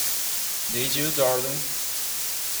Did you, darling?